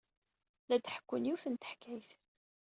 La d-ḥekkun yiwet n teḥkayt.